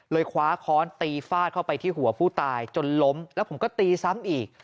คว้าค้อนตีฟาดเข้าไปที่หัวผู้ตายจนล้มแล้วผมก็ตีซ้ำอีก